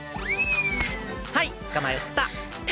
はいつかまえた。